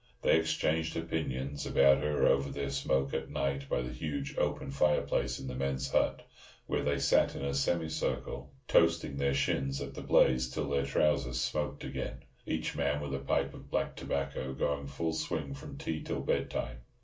They exchanged opinions about her over their smoke at night by the huge open fireplace in the men's hut, where they sat in a semicircle, toasting their shins at the blaze till their trousers smoked again, each man with a pipe of black tobacco going full swing from tea till bedtime.